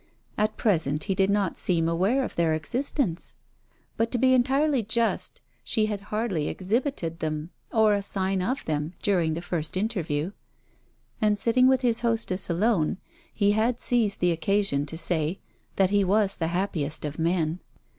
At present he did not seem aware of their existence. But, to be entirely just, she had hardly exhibited them or a sign of them during the first interview: and sitting with his hostess alone, he had seized the occasion to say, that he was the happiest of men.